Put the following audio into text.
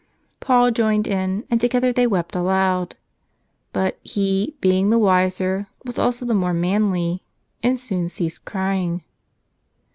Paul joined in, and together they wept aloud. But he, being the wiser, was also the more manly, and soon ceased crying.